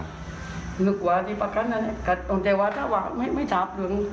นึกว่าที่ประกันแล้วแต่ต้องใจว่าถ้าว่าไม่จับ